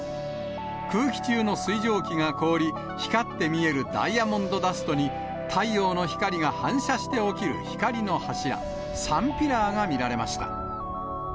空気中の水蒸気が凍り、光って見えるダイヤモンドダストに、太陽の光が反射して起きる光の柱、サンピラーが見られました。